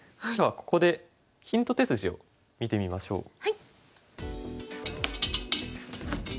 ではここでヒント手筋を見てみましょう。